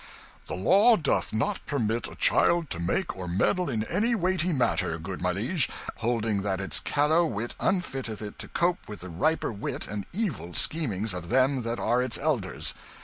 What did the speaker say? "The law doth not permit a child to make or meddle in any weighty matter, good my liege, holding that its callow wit unfitteth it to cope with the riper wit and evil schemings of them that are its elders.